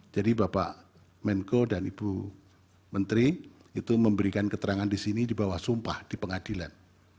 jadi bapak menko dan ibu menteri itu memberikan keterangan di sini di bawah sumpah di pengadilan